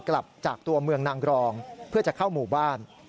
กลับจากตัวเมืองนางรองเพื่อจะเข้าหมู่บ้าน